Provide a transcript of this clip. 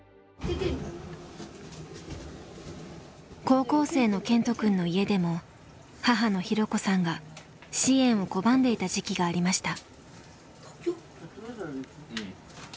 高校生の健人くんの家でも母の弘子さんが支援を拒んでいた時期がありました。